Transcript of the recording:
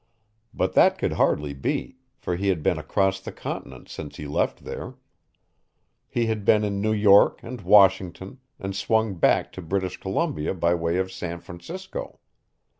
But that could hardly be, for he had been across the continent since he left there. He had been in New York and Washington and swung back to British Columbia by way of San Francisco.